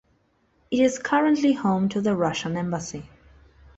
It is currently home to the Russian Embassy.